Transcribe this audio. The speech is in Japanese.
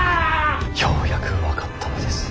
ようやく分かったのです。